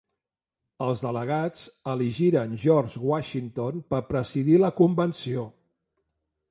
Els delegats elegiren George Washington per presidir la convenció.